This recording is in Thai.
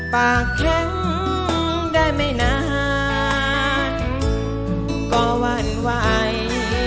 ปากแข็งได้ไม่นานก็วรรณวัย